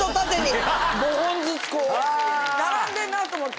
並んでんなと思って。